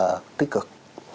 rất là tích cực